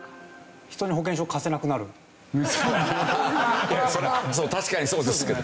それはいやそれ確かにそうですけど。